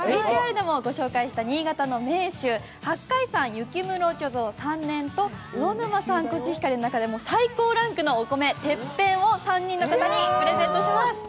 ＶＴＲでもご紹介した新潟の銘酒、八海山雪室貯蔵三年と魚沼産コシヒカリの中で最高ランクのお米・てっぺんを３人の方にプレゼントします。